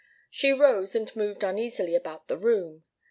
She rose, and moved uneasily about the room.